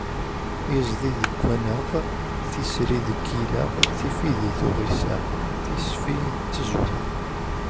Iẓdi deg waneɣ, tisri deg yileɣ, tifidi tuɣ iseɣ, tisfi d tezweɣ.